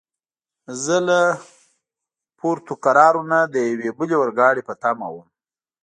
زه له پورتوګرارو نه د یوې بلې اورګاډي په تمه ووم.